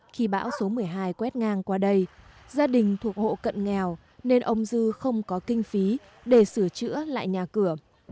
khi bão số một mươi hai quét ngang qua đây gia đình thuộc hộ cận nghèo nên ông dư không có kinh phí để sửa chữa lại nhà cửa